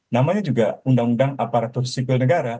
namanya juga undang undang aparatur sipil negara